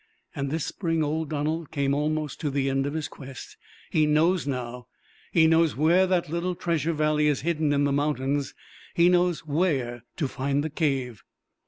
And this spring old Donald came almost to the end of his quest. He knows, now; he knows where that little treasure valley is hidden in the mountains, he knows where to find the cave!"